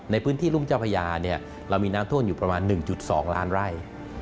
ในพื้นที่รุ่มเจ้าพญาเรามีน้ำท่วมอยู่ประมาณ๑๒ล้านไร่